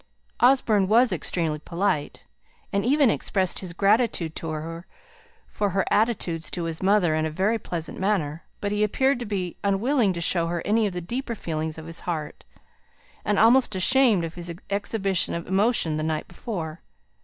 Osborne was extremely polite, and even expressed his gratitude to her for her attentions to his mother in a very pleasant manner; but he appeared to be unwilling to show her any of the deeper feelings of his heart, and almost ashamed of his exhibition of emotion the night before.